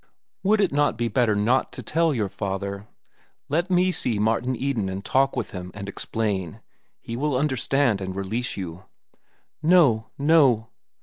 "Would it not be better not to tell your father? Let me see Martin Eden, and talk with him, and explain. He will understand and release you." "No! no!"